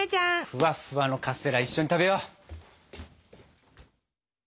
フワッフワのカステラ一緒に食べよう。